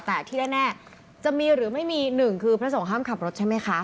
แต่ที่แน่จะมีหรือไม่มีหนึ่งคือพระสงฆ์ห้ามขับรถใช่ไหมคะ